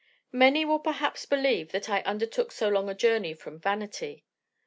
Many will perhaps believe that I undertook so long a journey from vanity.